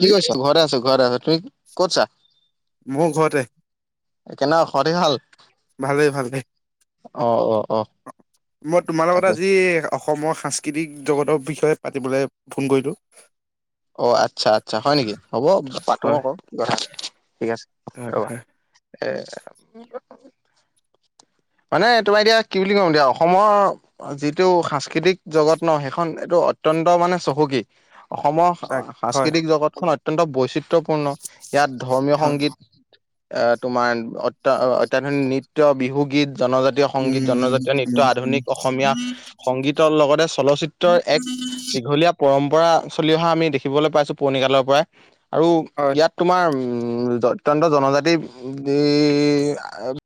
কি কৰিছো ঘৰ আছো ঘৰ আছ তুই কত যা। মোৰ ঘৰতে কেনেৱো খবৰ খাতি ভাল। ভালেই ভালেই দে, অ অ অ মই তোমাৰ লগত তাকে। আজি অসমৰ সাংস্কৃতিক জগতৰ বিষয়ে পাতিবলৈ ফোন কৰিলোঁ। অ আচ্ছা আচ্ছা হয় নেকি হ'ব পাতো আকৌ আহক ঠিক আছে। হে ৰ'বা হে এ মানে তুমি এতিয়া কি বুলি কম দিয়া অসমৰ যিটো সাংস্কৃতিক জগত ন সেইখন এইটো অত্যন্ত মানে চহুকী অসমৰ তাক হয় সাংস্কৃতিক জগতখন অত্যন্ত বৈচিত্ৰয়পূৰ্ণ। ইয়াত ধৰ্মীয়, হয় সংগীত, এ তোমাৰ অত্য অত্যধুনিক নৃত্য, বিহু গীত, জনজাতি সংগীত, উম উম জনজাতীয় নৃত্য, উম উম আধুনিক অসমীয়া সংগীতৰ লগতে চলচিত্ৰৰ, এক দীঘলীয়া পৰম্পৰা চলি অহা আমি দেখিবলৈ পাইছোঁ, পুৰনি কালৰ পৰাই আৰু হয় ইয়াত তোমাৰ অত্যন্ত জনজাতি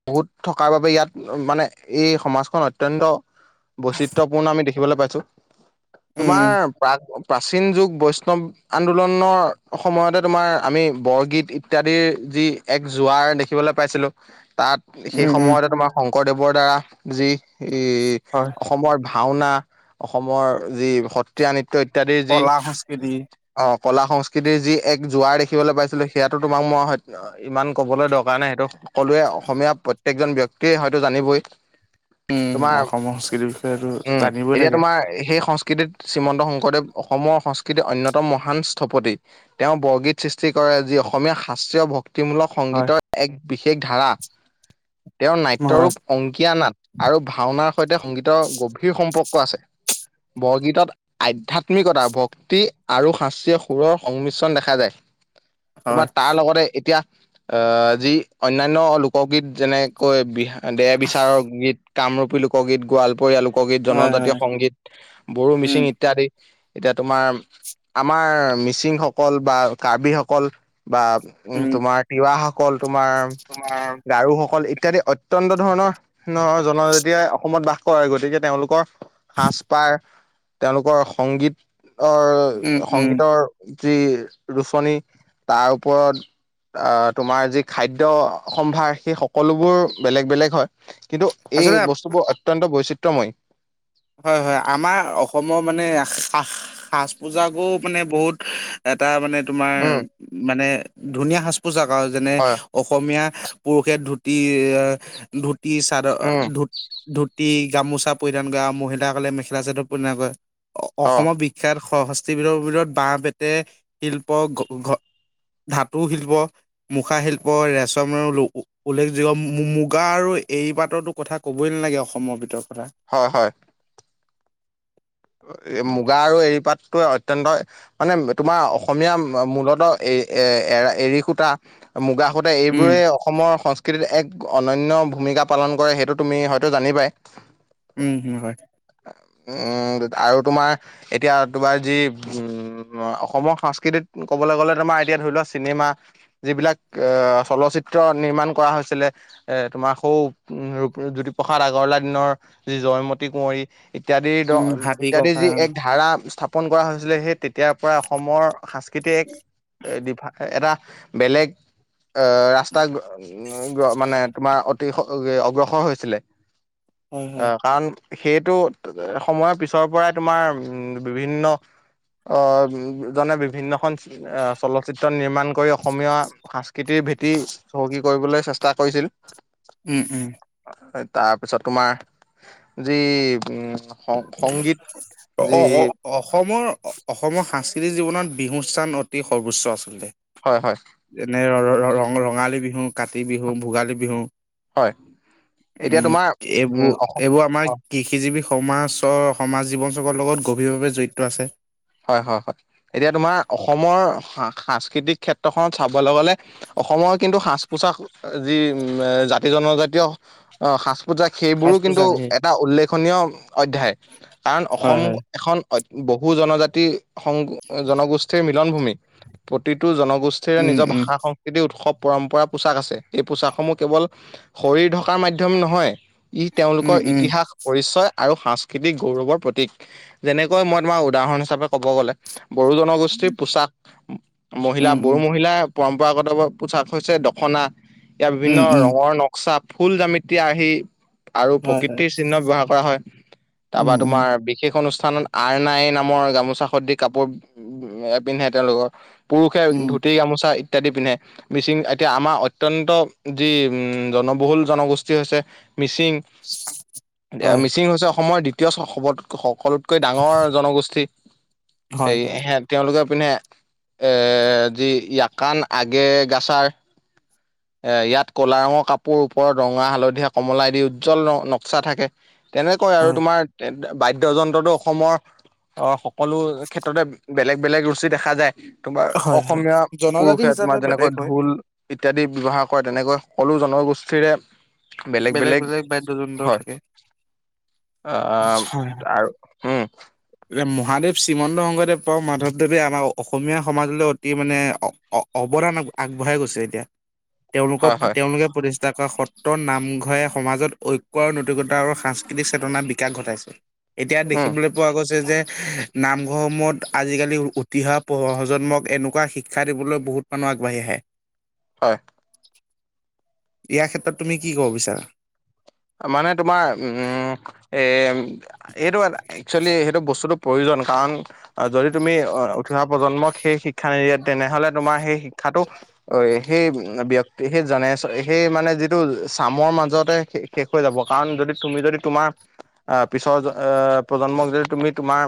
বহুত থকাৰ বাবে ইয়াত মানে এই সমাজখন অত্যন্ত বৈচিত্ৰ পূৰ্ণ আমি দেখিবলৈ পাইছো তোমাৰ উম প্ৰা প্ৰাচীন, যুগ বৈষ্ণৱ, আন্দোলনৰ সময়তে তোমাৰ আমি বৰগীত, ইত্যাদিৰ যি এক জোৱাৰ দেখিবলৈ পাইছিলোঁ তাত সেই উম উম সময়তে তোমাৰ শংকৰদেৱৰ দ্বাৰা যি ই হয় অসমৰ ভাওনা, অসমৰ যি সত্ৰীয়া, নৃত্য, ইত্যাদিৰ যি কলা সংস্কৃতি অ কলা সংস্কৃতিৰ, যি এক জোৱাৰ দেখিবলৈ পাইছিলো সেইয়াতো তোমাক মই হত্য ইমান কবলৈ দৰকাৰ নাই, সেইটো সকলোৱে অসমীয়া প্ৰত্যেকজন ব্যক্তিয়ে হয়তো জানিবই। তোমাৰ উম অসমৰ সংস্কৃতিৰ বিষয়েতো উম', জানিবই এতিয়া লাগে তোমাৰ সেই সংস্কৃতিত শ্ৰীমন্ত শংকৰদেৱ, অসমৰ সংস্কৃতিৰ অন্যতম মহান স্থপতি। তেওঁ বৰগীত সৃষ্টি কৰে, যি অসমীয়া শাস্ত্ৰীয় ভক্তিমূলক হয় সংগীতৰ, এক বিশেষ ধাৰা। তেওঁৰ হয় নাট্যৰূপ, অংকীয়া নাট, আৰু ভাওনাৰ, সৈতে সংগীতৰ, গভীৰ সম্পৰ্ক আছে। বৰগীতত আধ্যাত্মিকতা, ভক্তি, আৰু শাস্তিয় সুৰৰ সংমিশ্ৰণ দেখা যায়। হয় তোমাৰ তাৰ লগতে এতিয়া আহ যি অন্যান্য লোকগীত যেনেকৈ বি দেহ বিচাৰৰ, গীত কামৰূপী লোক গীত, গোৱালপৰীয়া লোকগীত, হয় জনজাতীয় হয় সংগীত, বড়ো, উম মিচিং, ইত্যাদি। এতিয়া তোমাৰ আমাৰ মিচিংসকল, বা কাৰ্বিসকল, বা' উম', তোমাৰ তিৱাসকল, তোমাৰ তোমাৰ গাৰুসকল- ইত্যাদি। অত্যন্ত ধৰণৰ জনজাতিয়ে অসমত বাস কৰে, গতিকে তেওঁলোকৰ- সাজ-পাৰ, তেওঁলোকৰ সংগীত অ উম উম সংগীতৰ- যি ৰুচনী তাৰ ওপৰত- আঁহ তোমাৰ যি খাদ্য সম্ভাৰ, সেই সকলোবোৰ বেলেগ-বেলেগ হয়, কিন্তু এই আচলতে বস্তুবোৰ অত্যন্ত বৈচিত্ৰময়ী। হয়-হয়। আমাৰ অসমৰ মানে সা- সাজ-পোজাকো মানে বহুত এটা মানে- তোমাৰ উম মানে ধুনীয়া সাজ-পোচাক আৰু। যেনে- হয় অসমীয়া পুৰুষে ধুতি আঁহ ধুতি, চাদৰ- উম ধুতি, গামোচা পৰিধান কৰে আৰু মহিলাসকলে মেখেলা-চাদৰ পৰিধান কৰে। অ অসমৰ বি- খ্যাত সশস্তিবিধৰ ভিতৰত বাঁহ-বেতে শিল্প ঘ- ধাতু শিল্প- মুখাশিল্প, ৰেচম উল্লেখযোগ্য। মুগা আৰু এৰি পাতটো- কথা ক'বই নালাগে অসমৰ ভিতৰত কথা। হয়-হয়। মুগা আৰু এৰি পাত- অত্যন্তই মানে তোমাৰ অসমীয়া মূলতঃ এ, এ, এ, এৰী সূতা- মুগা সূতা উম এইবোৰে- অসমৰ সংস্কৃতিত এক অনন্য ভূমিকা পালন কৰে, সেইটো তুমি হয়তো জানিবাই। উম, হুম, হয়। উমঁ, আৰু তোমাৰ এতিয়া তোমাৰ যি উম'- অসমৰ সংস্কৃতিত ক'বলৈ গ'লে তোমাৰ এতিয়া ধৰি লোৱা চিনেমা- যিবিলাক আহ', চলচিত্ৰ নিৰ্মাণ কৰা হৈছিলে- এ' তোমাৰ সৌ উম' জ্যোতিপ্ৰসাদ আগৰৱালাৰ দিনৰ যি জয়মতী কোঁৱৰী- ইত্যাদি। উম হাতী ইত্যাদি ককা যি এক ধাৰা স্থাপন কৰা হৈছিলে, সেই তে- তিয়াৰ পৰা অসমৰ সাংস্কৃতি এক বিভাক এটা- বেলেগ ৰাস্তা- উম' মানে তোমাৰ অতি অগ্ৰসৰ হৈছিলে। হয় হয় আহ', কাৰণ সেইটো সময়ৰ পিছত- তোমাৰ বিভিন্ন জনে বিভিন্ন - এ' চলচিত্ৰ নিৰ্মাণ কৰি, অসমীয়া সংস্কৃতিৰ ভেটি চহকী- কৰিবলৈ চেষ্টা কৰিছিল। উম-উম। তাৰপিছত তোমাৰ যি উম- সং সংগীত যি অস অসমৰ, অসমৰ সাংস্কৃতিক জীৱনত বিহু স্থান অতি সৰ্বোচ্চ আচলতে। হয়-হয়। যেনে- ৰ- ৰ- ৰঙালী বিহু, কাতি বিহু, ভোগালী বিহু। হয় এতিয়া উম' তোমাৰ উম এইবোৰ, অসম এইবোৰ অ আমাৰ- কৃষিজীৱী সমাজৰ সমাজ জীৱন চগৰ লগত গভীৰভাৱে জড়িত আছে। হয়-হয়-হয়। এতিয়া তোমাৰ অসমৰ সাংস্কৃতিক ক্ষেত্ৰখনত চাবলৈ গ'লে- অসমৰ কিন্তু সাজ-পোছাক যি জাতি-জনজাতীয়- অঁ', সাজ-পোজাক সেইবোৰো সাজ কিন্তু পোছাক সেই এটা উল্লেখনীয়- অধ্যায়। কাৰণ হয় অসম হয় এখন বহু জনজাতি সং জনগোষ্ঠীৰ মিলন ভূমি, প্ৰতিটো জনগোষ্ঠীৰে উম নিজৰ উম ভাষা নীতি উৎসৱ পৰম্পৰা পোচাক আছে এই পোচাকসমূহ কেৱল শৰীৰ থকাৰ মাধ্যম নহয় ই উম তেওঁলোকৰ উম ইতিহাস পৰিচয় আৰু সাংস্কৃতিক গৌৰৱৰ প্ৰতীক যেনেকৈ মই তোমাৰ উদাহৰণ হিচাপে ক'ব গ'লে বড়ো জনগোষ্ঠীৰ পোচাক, মহিলা উম বড়ো উম মহিলা পৰম্পৰাগত বা পোছাক হৈছে দখনা ইয়াৰ বিভিন্ন উম উম ৰঙৰ ন চা ফুল জামিতিয়া আহি আৰু হয় হয় প্ৰকৃতিৰ চিহ্ন ব্যৱহাৰ কৰা হয় উম তাৰপা উম তোমাৰ বি শেষ অনুষ্ঠানত আৰ নাই নামৰ গামোচা খদি কাপোৰ এ পিন্ধে তেওঁলোকৰ। পুৰুষে উম ধুতি গামোচা ই ত্যাদি পিন্ধে, মিচিং এতিয়া আমাৰ অত্যন্ত যি জনবহুল জনগোষ্ঠী হৈছে মিচিং দিয়া হয় মিচিং হৈছে অসমৰ দ্বিতীয় স সবত সকলোতকৈ ডাঙৰ জনগোষ্ঠী। হয় এই হয় সে তেওঁলোকে পিন্ধে এৰ যি য়াকান আগেগাছাৰ এ ইয়াত ক'লা ৰঙৰ কাপোৰ ওপৰত ৰঙা, হালধীয়া, কমলাই দি উজ্জ্বল ন নক্সা থাকে। তেনেকৈ আৰু হয় তোমাৰ তে তে বাদ্যযন্ত্ৰটো অসমৰ অ সকলো ক্ষেত্ৰতে বেলেগ - বেলেগ ৰুচি দেখা যায়। তোমাৰ হয় হয় অসমীয়া জনজাতি পুৰুষে হিচাপে তোমাৰ যেনেকৈ বেলেগ হয় ঢোল ইত্যাদি ব্যৱহাৰ কৰে তেনেকৈ সকলো জনগোষ্ঠীৰে বেলেগ - বেলেগ বাদ্যযন্ত্ৰ থাকে। অ ত আৰু উম। বুলে মহাদেৱ শ্ৰীমন্ত শংকৰদেৱৰ মাধৱদেৱে আমাৰ অসমীয়া সমাজলৈ অতি মানে অ অ অৱদান আগ আগবঢ়াই গৈছে এতিয়া। [inaudible] তেওঁলোকক হয় তেওঁলোকে প্ৰতিষ্ঠা কৰা সত্ৰৰ নাম সংঘয়ে সমাজত ঐক্য আৰু নৈতিকতা আৰু সাংস্কৃতিক চেতনাৰ বিকাশ ঘটাইছে। এতিয়া উম দেখিবলৈ পোৱা গৈছে যে নামঘৰসমূহত আজিকালি উঠি অহা প্ৰজন্মক এনেকুৱা শিক্ষা দিবলৈ বহুত মানুহ আগবাঢ়ি আহে। হয়। ইয়াৰ ক্ষেত্ৰত তুমি কি কব বিচাৰা? অ মানে তোমাৰ উম এ এইটো এটা এ চুৱেলি সেইটো বস্তুটো প্ৰয়োজন কাৰণ অ যদি তুমি অ উঠি অহা প্ৰজন্মক সেই শিক্ষা নিদিয়ে তেনেহলে তোমাৰ সেই শিক্ষাটো অ সেই ব্যক্তিৰ সেই জনে চ সেই মানে যিটো চামৰ মাজতে সে শেষ হৈ যাব কাৰণ যদি তুমি যদি তোমাৰ অহ পিছৰ জ অ প্ৰজন্মক যদি তুমি তোমাৰ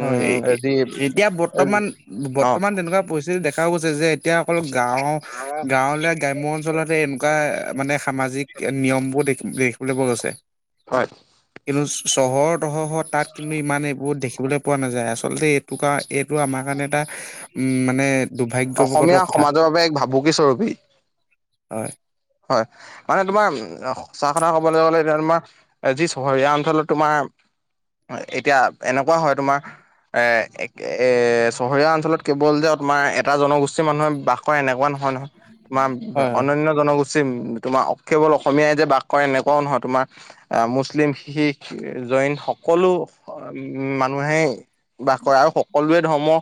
হয় এ এ যি এতিয়া বৰ্তমান অ বৰ্তমান তেনেকুৱা পৰিস্থিতি দেখাও গৈছে যে এতিয়া অকল গাঁওৰ গাঁৱলে গ্ৰাম্য অঞ্চলত এনেকুৱা মানে সামাজিক নিয়মবোৰ দেখি দেখিবলৈ পোৱা গৈছে। হয়। কিন্তু চহৰৰ দশহৰ তাত কিন্তু ইমানে বহুত দেখি পোৱা নাযায় আচলতে এইটো কাৰ এইটো আমাৰ কাৰণে এটা উম মানে দুৰ্ভাগ্যৱগতৰ অসমীয়া কথা সমাজৰ বাবে এক ভাবুকি স্বৰূপী হয়। হয় মানে তোমাৰ উম সঁচা কথা ক'বলৈ গলে এতিয়া তোমাৰ এ যি চহৰীয়া অঞ্চলত তোমাৰ এতিয়া এনেকুৱা হয় তোমাৰ এ চহৰীয়া অঞ্চলত কেৱল যে তোমাৰ এটা জনগোষ্ঠীৰ মানুহে বাস কৰে কোৱা নহয় নহয়, তোমাৰ হয় হয় অনন্য জনগোষ্ঠী তোমাৰ কেৱল অসমীয়াই যে বাস কৰে এনেকুৱাও নহয়। তোমাৰ আহ' মুছলিম, শিখ, জৈন সকলো উমঁ' মানুহেই বাস কৰে আৰু সকলোৱে ধৰ্ম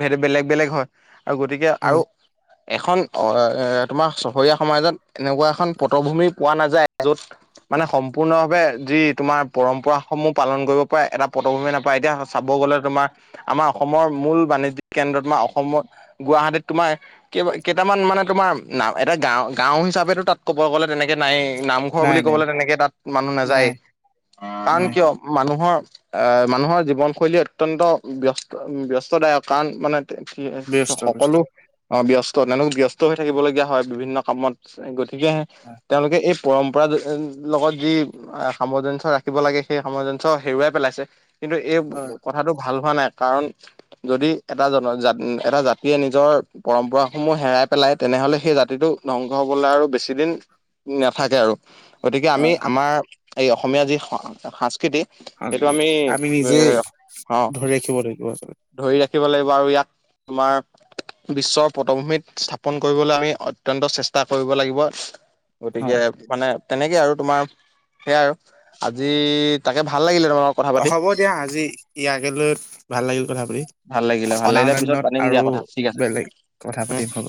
সেইটো বেলেগ বেলেগ হয় আৰু গতিকে গতিকে হয় আৰু এখন তোমাৰ চহৰীয়া সমাজত এনেকুৱা এখন পটভূমি পোৱা নাযায় য'ত মানে সম্পূৰ্ণ ভাৱে যি তোমাৰ পৰম্পৰা সমূহ পালন কৰিব পাৰা এটা পটভূমি নাপায়। এতিয়া চাব গ'লে তোমাৰ আমাৰ অসমৰ মূল বাণিজ্যিক কেন্দ্ৰত তোমাৰ অসমত, গুৱাহাটীত তোমাৰ কেইটা কেইটামান মানে তোমাৰ নাম এটা গা গাও হিচাপে তাত ক ক'ব গ'লে তেনেকে নাই। নামঘৰ নাই বুলি নাই ক'বলে তেনেকে তাত মানুহ নাযায়। নাই কাৰণ নাই কিয় মানুহৰ আহ' মানুহৰ জীৱনশৈলী অত্যন্ত ব্যস্ত ব্যস্ত দায়ক কাৰণ মানে ব্যস্ত ব্যস্ত সকলো অঁ' ব্যস্ত তেওঁলোক ব্যস্ত হৈ থাকিব লগৰীয়া হয় বিভিন্ন কামত। গতিকে হয় তেওঁলোকে এই পৰম্পৰা লগত যি সামঞ্জ্য় ৰাখিব লাগে সেই সামঞ্জ্য় হেৰুৱাই পেলাইছে। কিন্তু এই হয় কথাটো ভাল হোৱা নাই কাৰণ যদি এটা জনা এটা জাতিয়ে নিজৰ পৰম্পৰা সমূহ হেৰাই পেলাই তেনেহ'লে সেই জাতিটো ধ্বংস হ'বলে আৰু বেছি দিন নাথাকে আৰু গতিকে আমি হয়। আমাৰ এই অসমীয়া যি স সংস্কৃত সেইটো হয়। আমি এ নিজে অঁ'। ধৰি ৰাখিব লাগিব আচলতে ধৰি ৰাখিব লাগিব আৰু ইয়াত তোমাৰ বিশ্বৰ পটভূমিত স্থাপন কৰিবলৈ আমি অত্যন্ত চেষ্টা কৰিব লাগিব। গতিকে হয়। মানে তেনেকে আৰু তোমাৰ সেয়াই আৰু আজি তাকে ভাল লাগিলে তোমাৰ কথা অঁ' পাতি হ'ব দিয়া, আজি ইয়াকে লৈ ভাল লাগিল কথা পাতি। ভাল লাগিলে ভাল অনাগত লাগিলে পিছত দিনত পাতিম আৰু দিয়া কথা ঠিক আছে বেলেগ কথা পাতিম হ'ব।